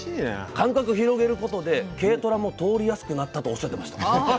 間隔広げることで軽トラも通りやすくなったとおっしゃってました。